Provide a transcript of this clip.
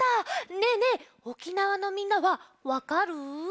ねえねえ沖縄のみんなはわかる？